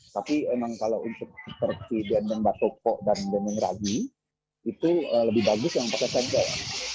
tapi kalau untuk dendeng batokok dan dendeng ragi itu lebih bagus yang pakai senjol